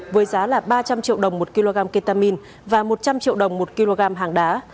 với giá là ba trăm linh triệu đồng một kg ketamin và một trăm linh triệu đồng một kg hàng đá